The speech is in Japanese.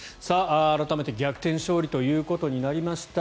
改めて逆転勝利ということになりました